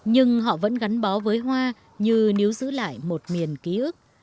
nhưng họ vẫn gắn bó với hoa như nếu giữ lại một miền ký ức